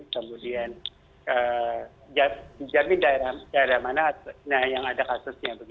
kemudian dijamin daerah mana yang ada kasusnya